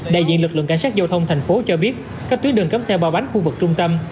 đại diện lực lượng cảnh sát giao thông thành phố cho biết các tuyến đường cấm xe ba bánh khu vực trung tâm